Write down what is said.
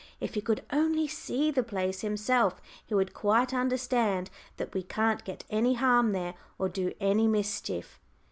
If he could only see the place himself, he would quite understand that we can't get any harm there, or do any mischief."